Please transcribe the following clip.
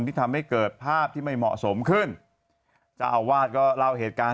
ที่ทำให้เกิดภาพที่ไม่เหมาะสมขึ้นเจ้าอาวาสก็เล่าเหตุการณ์